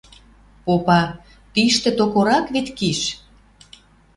Попа: «Тиштӹ токорак вет киш».